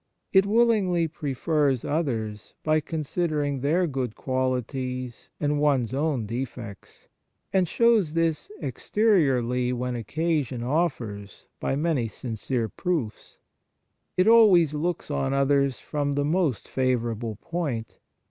It willingly prefers others by considering their good qualities and one s own defects, and shows this exteriorly when occasion offers by many sincere proofs. It always looks on others from the most favourable point.